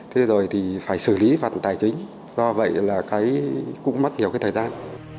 thế rồi thì phải xử lý phần tài chính do vậy là cũng mất nhiều thời gian